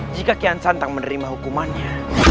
jika kian santang menerima hukumannya